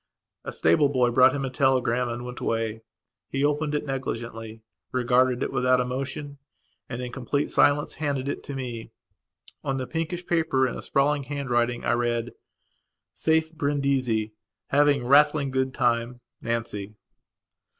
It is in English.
A stable boy brought him a telegram and went away. He opened it negligently, regarded it without emotion, and, in complete silence, handed it to me. On the pinkish paper in a sprawled handwriting I read: "Safe Brindisi. Having rattling good time. Nancy."